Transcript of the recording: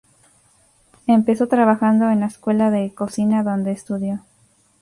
Empezó trabajando en la escuela de cocina donde estudió.